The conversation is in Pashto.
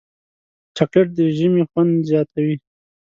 چاکلېټ د ژمي خوند زیاتوي.